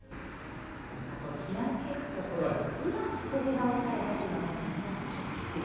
松本さん、この避難計画が、今作り直されたというのはなぜなんでしょうか。